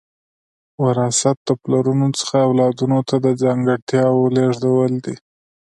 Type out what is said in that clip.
وراثت د پلرونو څخه اولادونو ته د ځانګړتیاوو لیږدول دي